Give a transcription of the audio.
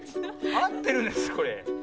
あってるんですかこれ？